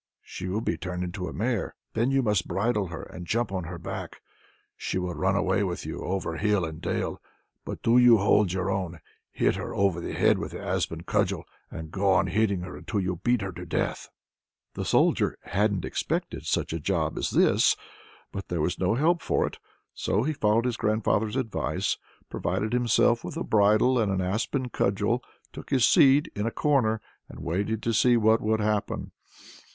she will be turned into a mare. Then you must bridle her and jump on her back. She will run away with you over hill and dale, but do you hold your own; hit her over the head with the aspen cudgel, and go on hitting her until you beat her to death." The Soldier hadn't expected such a job as this, but there was no help for it. So he followed his grandfather's advice, provided himself with a bridle and an aspen cudgel, took his seat in a corner, and waited to see what would happen.